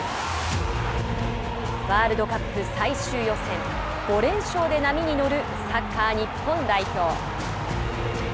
ワールドカップ最終予選５連勝で波に乗るサッカー日本代表。